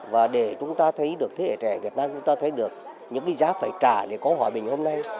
và để chúng ta thấy được thế hệ trẻ việt nam chúng ta thấy được những giá phải trả để có hòa bình